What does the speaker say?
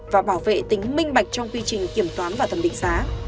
và bảo vệ tính minh bạch trong quy trình kiểm toán và thẩm định giá